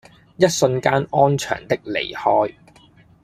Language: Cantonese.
一瞬間安詳的離開